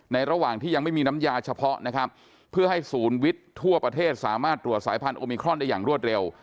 ระหว่างที่ยังไม่มีน้ำยาเฉพาะนะครับเพื่อให้ศูนย์วิทย์ทั่วประเทศสามารถตรวจสายพันธุมิครอนได้อย่างรวดเร็ว